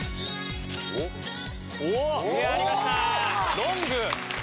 ロング！